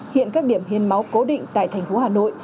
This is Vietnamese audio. hiện các điểm hiến máu cố định tại thành phố hà nội